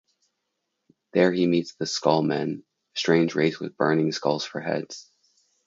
There he meets the Skull Men, a strange race with burning skulls for heads.